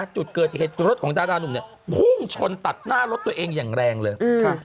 เกิดเหตุรถของดารานุ่มพุ่งชนตัดหน้ารถตัวเองอย่างแรงเลย